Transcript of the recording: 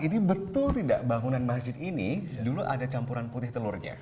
ini betul tidak bangunan masjid ini dulu ada campuran putih telurnya